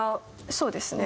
そうですね。